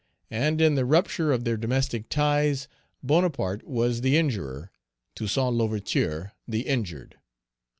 And in the rupture of their domestic ties, Bonaparte was the injurer, Toussaint L'Ouverture the injured.